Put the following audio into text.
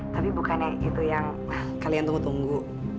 tapi bukannya itu yang kalian tunggu tunggu